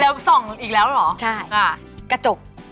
แล้วส่องอีกแล้วเหรอใช่